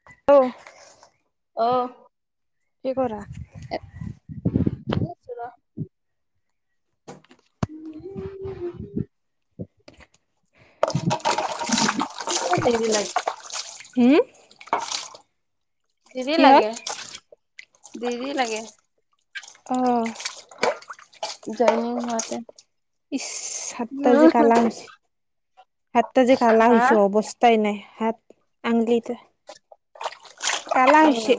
[unintelligible] অ'। কি কৰা? [inaudible] আছোঁ ৰহ। [inaudible] ক'ত এইবিলাক হুম? দেৰি কি হ'ল? লাগে, দেৰি লাগে। অ'। জইনিং হোৱাতে। ইচ। হাতটা যে কালা হৈছে, হাতটা যে কালা হা, হৈছে, অৱস্ তাই নাই, হাত আঙুলিটোৱে কালা উম, হৈছে।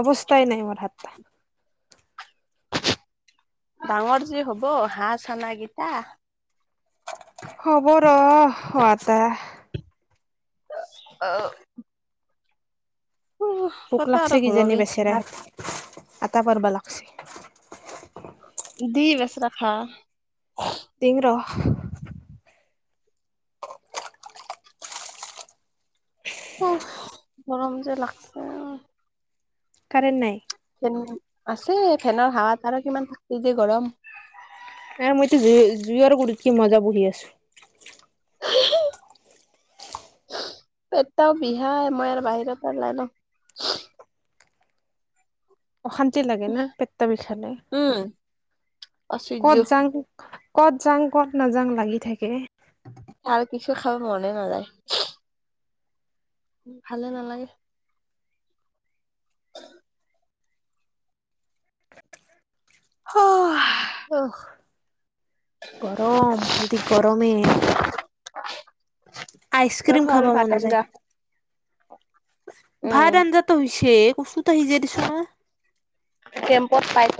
অৱস্থাই নাই মোৰ হাত। ডাঙৰ যে হব হাঁহ চানাকিটা হ'ব ৰ', হোৱাতা অ'। উম। ভোক লাগছে কিজানি বেচৰা, আতা পাৰবা লা দি বেচেৰা খাৱা। দিঙ ৰ'। উস!, গৰম যে লাগছে। কাৰেণ্ট নাই? ফেন আছে। ফেনৰ হাৱাত আৰু কিমান থাকবি যে গৰম। নাই, মইতো জুই- জুইৰ গুৰিত কি মজা বহি আছোঁ। হ [inaudible] পেটটাও বিষায়, মই আৰু বাহিৰত [unintelligible] ‌ন'। অশান্তি লাগে না পেটটা বিষালে? উম, আচুৰ্য ক'ত যাঙ ক'ত যাঙ, ক'ত নাযাঙ লাগি থাকে। আৰু কিছু খাব মনে নাযায়। ভালে নালাগে। [inaudible] অহ, গৰম খালি গৰমে। তোৰ আইচক্ৰীম হ'ল খাব ভাত মন যায়। আঞ্জা, উম। ভাত আঞ্জাত টো হৈছে, কচুটা সিজাই দিছোঁ ন'। কেম্পত পাইছ।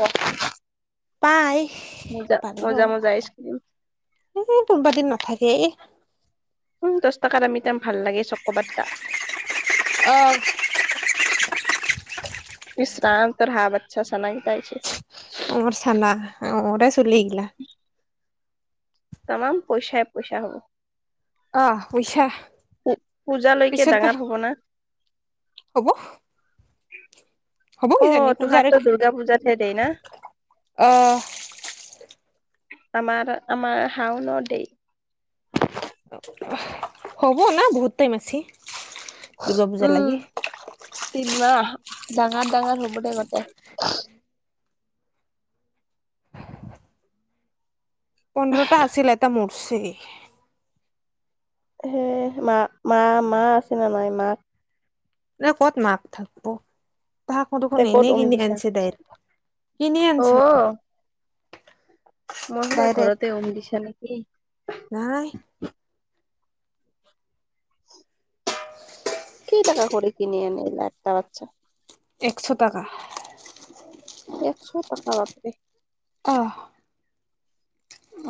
পায়। মজা, মজা-মজা আইচক্ৰীম। এ কোনোবা দিন নাথাকে এ। উম, দশ টাকা দামী তাম ভাল লাগে চ'ক'বা টা। অ'। ইস ৰাম! তোৰ হা‌ঁহ বাচ্ছা চানা কেইটা আহিছে। মোৰ চানা, মোৰে ছলি এইগিলা। তামাম পইচাই-পইচা হ'ব। আহ পইচা পূজালৈকে পিছত বা ডাঙাৰ হব না? হ'ব। হ'ব [unintelligible] কিজানি অ', পূজাৰ তোহাততো, দুৰ্গা পূজাতহে, দেই না? আহ আমাৰ আমাৰ, শাওনত দেই। হ'ব না, বহুত টাইম আছে, দুৰ্গা পূজা উম লাগে। তিনমাহ, ডাঙৰ ডাঙৰ হ'ব দে, গতে। পোন্ধৰটা আছিল, এটা মৰ্চি। সে, মা-মা-মা আছে নে নাই মাক? না ক'ত মাক থাকব'। তাহাকো দুখন তই ক'ত এনেই উম কিনি দিছা আনছে দাইৰ, কিনি অ আনছে। মই ভবা, ডাইৰেক্ট ঘৰতে উম দিছা নেকি? নাই। কেইটাকা কৰি কিনি আনিলা একটা বাচ্ছা? একশ টাকা। একশ টকা বাপৰে! আহ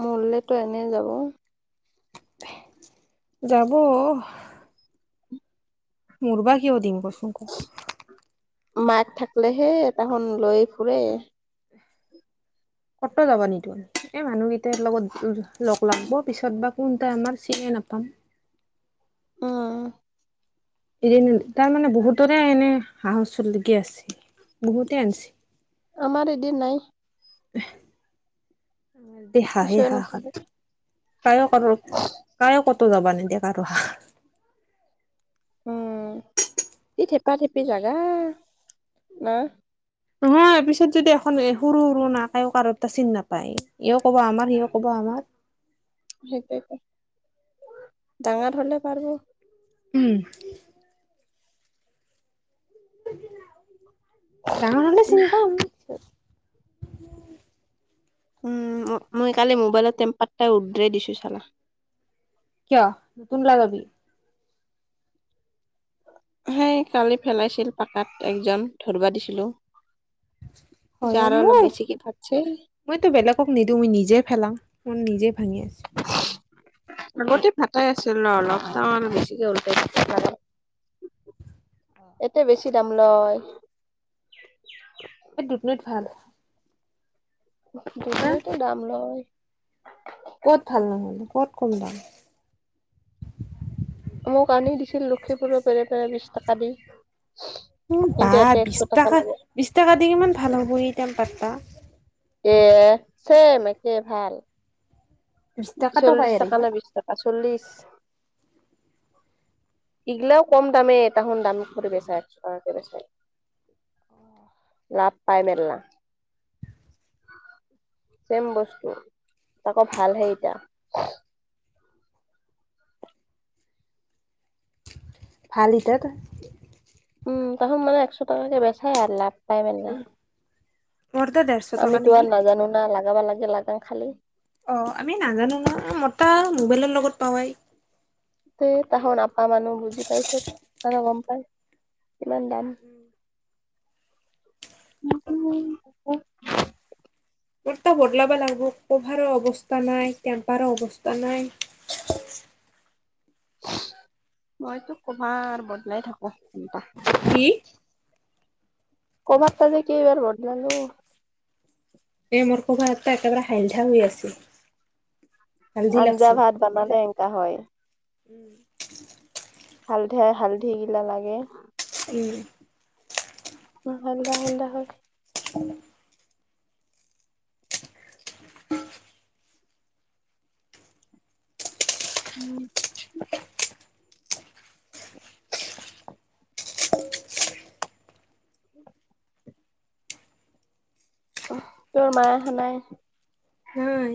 মৰলেতো এনেই যাব! যাব। মৰবা কিয়া দিম কচোন ক? মাক থাকলেহে তাহন লৈ ফুৰে। কতো যাব নিদো, এই মানুহকেইটাৰ লগত লগ লাগ'ব, পিছত বা কোনটাই আমাৰ, চিনাই নাপাম। অঁ। এদিন, তাৰমানে বহুতৰে এনে হাঁহৰ চলকি আছে, বহুতে আনছে। আমাৰ এদি নাই। হে। দে হাঁহে ঈশ্বৰে হাঁহ খালে, নকৰে তাইও কৰ। কাৰো কতো যাবা নিদিয়ে কৰো হাঁহ। উম, কি থেপা থেপি জাগা! না? নহয়, পিছত যদি এখন সৰু-সৰু না কায়ও কাৰো এটা চিনি নাপায়, ইও ক'ব আমাৰ, সিও ক'ব আমাৰ। সেইটেইতো, ডাঙৰ হলে পাৰ'ব। উম। ডাঙৰ হলে চিন পাম। উম, মই কালি মোবাইলত টেম্পাৰটা উদ্ৰাই দিছো চালা। কিয় নতুন লগাবি? হে কালি পেলাইছিল পাকাত একজন ধৰবা দিছিলো। পিছে আৰু হয়মো। অলপ বেছিকে ফাটছে মইতো বেলেগক নিদিওঁ, মই নিজে ফেলাও মই নিজে ভাঙি আছো। আগতে ফাতাই আছিল ৰ অলপ, তামান বেছিকে উল্টাই দিছে। এতিয়া বেছি দাম লয়। এই দুধনৈত ভাল। না দুধনৈটো দাম লয়। ক'ত ভাল নহলে? ক'ত কম দাম? মোক আনি দিছিল লক্ষিপুৰৰ পেৰে পেৰে বিশ টকা দি। কিন্তু বা ইয়াতে বিশ একশো টাকা টকা! লাগে বিশ টকা দি কিমান ভাল হ'ব এই টেম্পাৰতা? এ, ছেম একে ভাল। বিশ টকাতো চল্লিশ পায় আৰু টকা সি নে বিশ টকা? চল্লিশ। [inaudible] ইগিলাও কম দামেই, এটাহন দাম কৰি বেচাই, খুচুৰাকে বেচাই। । [inaudible] লাভ পাই মেলনা। চছেম বস্তু আকৌ ভাল হে এতিয়া। [unintelligible] উম' তাৰপিছত মানে একশ টকাকে বেচাই আৰু লাভ পাই মানে। [unintelligible] আমিতো আৰু নাজানোঁ না লাগাবা লাগে, লাগাম খালি। অহ আমি নাজানোঁ ন মতা মোবাইলৰ লগত পাৱেই। তাহৰ আপা মানুহ বুজি পাই চব। মানে গম পাই। কিমান দাম। [unintelligible] বদলাব লাগিব, কভাৰৰ অৱস্থা নাই, টেম্পাৰৰ অৱস্থা নাই। মইতো কভাৰ বদলাই থাকোঁ। কি? [unintelligible] কেই বাৰ বদলালো। এ মোৰ কভাৰ এটা একেবাৰে হাইলধা হৈ আছিল। আঞ্জা ভাত বনালে এনেকুৱা হয়। [inaudible] হালধাই হালধি গিলাক লাগে। উম'। হালধা হালধা হয়। [unintelligible] [unintelligible] - [unintelligible] তোৰ মাই আহা নাই? নাই।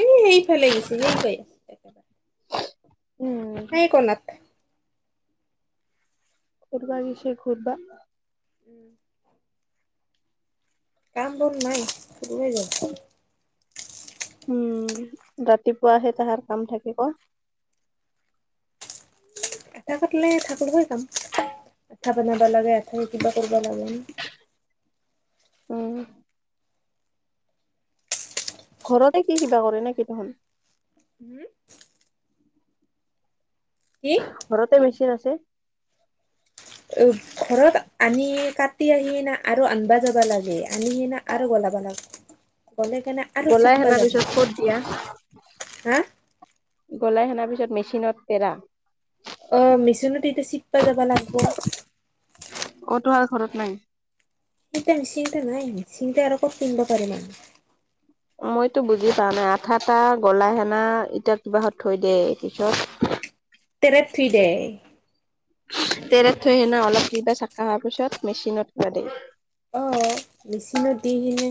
এ সেইফালে গিছি, সেই [unintelligible] উম সেই কণাত। ঘুৰবা গেইছি, ঘুৰবা। উম। কাম বন নাই, শুমে গৈ। উম, ৰাতিপুৱাহে তাহাৰ কাম থাকিব। আঠা কাটিলে [unintelligible] যাম, কাম আঠা বনাবা লাগে আঠা কিবা কৰিব লাগে। উম। ঘৰতে কি কিবা কৰে নেকি তেহতে? হম? কি? ঘৰতে মেচিন আছে। অ', ঘৰত আনি কাটি আহি না আৰু আনবা যাবা লাগে, আনি [unintelligible] আৰু গ'লাবা লাগে, গ'লে কিনে গ'লে সেনাৰ পিছত ক'ত দিয়া? হা গ'লে সেনাৰ পিছত মেচিনত পেৰা। অহ মিচিনত এতিয়া চিটপা যাবা লাগব। কতো আৰু ঘৰত নাই? [unintelligible] আমি। চিন্তা আৰু ক'ত কিনিবা পাৰিম আকৌ? মইতো বুজি পাৱা নাই আঠাটা গলা সানা এতিয়া কিবাহত থৈ দে পিছত- তেনে থ্ৰী ডে তেলে থৈ সেইদিনা অলপ কিবা চাকা হোৱাৰ পিছত মেচিনত খোৱা দ অঁ, মেচিনত দি কিনে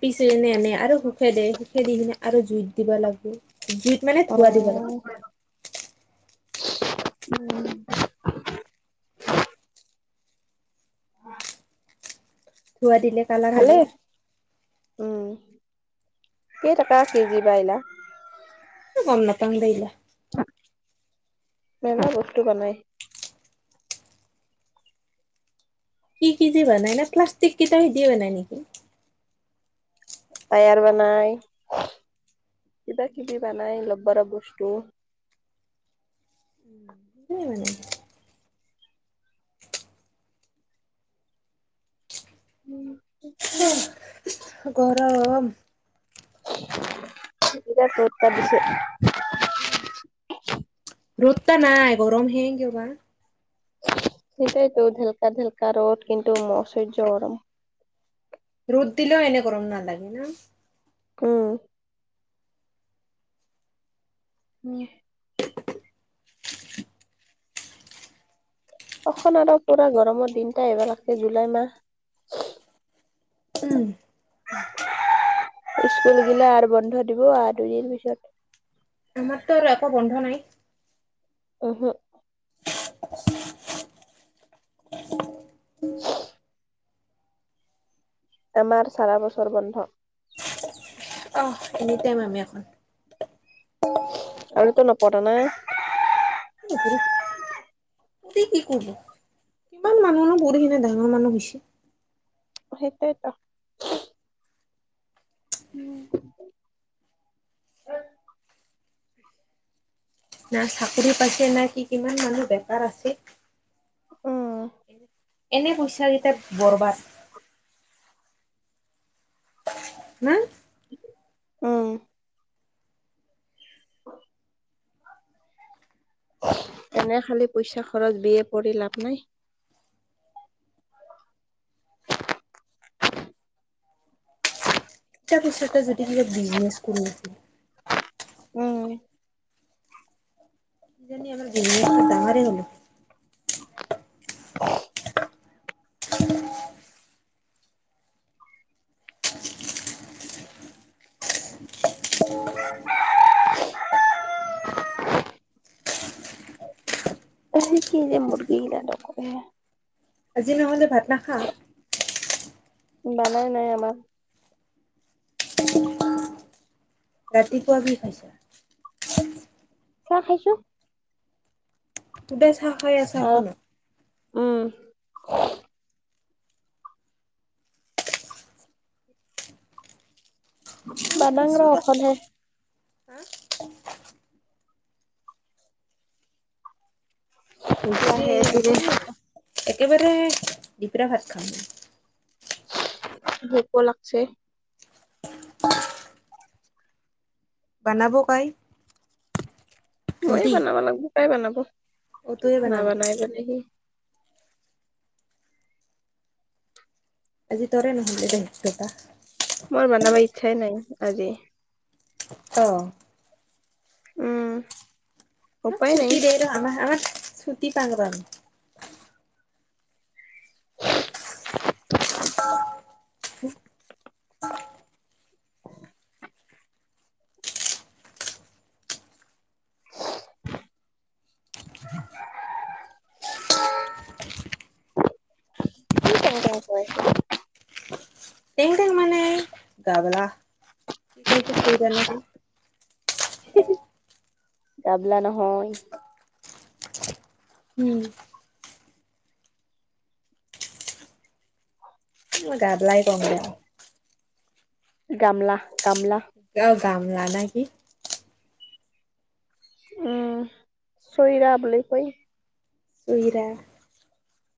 পিচিকেনে আমি আৰু শুখে দে শুখে দি কিনে আৰু জুইত দিব লাগিব। জুইত মানে অ ধুৱা দিব লাগে। উম। ধুৱা দিলে কালাৰ হ'ব ভালেই। উম, কেইটকা কেজিবা এইবিলাক? গম নেপাং দেই এইগিলা। বেলেগ বস্তু বনাই। কি কি যে বনাই না প্লাষ্টিক কেইটাও হেটিয়ে বনাই নেকি? টায়াৰও বনাই কিবা-কিবি বানাই ৰবৰ বস্তু। কি মানে? [unintelligible] গৰম। একেইটাই বৰ উৎপাত দিছে। ৰ'দতা নাই গৰমহে কিয় বা? সেইটোৱেতো ঢেলকা ঢেলকা ৰ'দ কিন্তু ম অসয্য গৰম। ৰ'দ দিলেও এনে গৰম নালাগে না। উম। উম। অখনা আৰু পুৰা গৰমৰ দিনটা আহিব লাগছে জুলাই মাহ। উম। স্কুল গিলা আৰু বন্ধ দিব আৰু দুদিন পিছত। আমাৰতো আৰু একো বন্ধ নাই। ওহো। আমাৰ চাৰা বছৰ বন্ধ। অঁহ, এনি টাইম আমি এখন। আৰু তই নপঢ় না? নপঢ়ো। কি কি ক'ব? কিমান মানুহনো পঢ়ি কেনে ডাঙৰ মানুহ হৈছে। সেইটোৱেতো। উম। না চাকৰি পাইছে নে? কি কিমান মানুহ বেকাৰ আছে। উম এনেই পইচা কেইটা বৰবাদ। হোঁম। উম। এনে খালি পইচা খৰচ। বি এ পঢ়ি লাভ নাই। তাৰ পিছতে যদি বোলে বিজনেছ কৰো। উম। কিজানি আমাৰ বিজনেছটো ডাঙৰে ল'লো। [unintelligible] এহ কি যে মুগীগিলা নুপুহে। আজি নহ'লে ভাত নাখা। বনাই নাই আমাৰ। ৰাতিপুৱা কি খাইছা? চাহ খাইছো। সুদা চাহ খাই আছা আহ অকলে? উম এই বাদাম খাইছো আৰু অকলহে। ৰ। হৈছে লাহে ধীৰে অকণি এখন, একেবাৰে দিপৰিয়া ভাত খাম। ভোকো লাগছে। [inaudible] বানাব কাই। মইয়ে ভণ্টি বানাব লাগব কাই বানাব। অ তয়ে বনাবি নাবানাই বলে হি। আজি তৰে নহ'লে দায়িত্ব-বা। মৰ বানাবা ইচ্ছাই নাই আজি। অ'। উম্ ইমান ছুতি দেই ৰ আমাৰ- আমাৰ ছুটি পাং ৰ। [unintelligible] [unintelligible] কি টেং টেং কৈ আছে? তেং তেং মানে তাবলা, পেকটিছ কয়ি এটোৱা নাই তুই? তাবলা নহয়। উম মই গাবলাই কঙ দে। গামলা গামলা। অ গামলা না কি? উম্, চইৰা বুলি কয়। চইৰা।